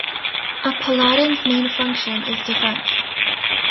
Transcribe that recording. A Paladin's main function is defense.